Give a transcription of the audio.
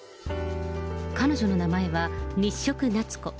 彼女の名前は、日食なつこ。